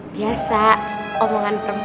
biasa omongan perempuan